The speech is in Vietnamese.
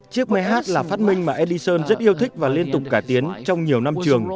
chiếc máy hát là phát minh mà edison rất yêu thích và liên tục cải tiến trong nhiều năm trường